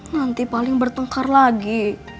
nanti paling bertengkar lagi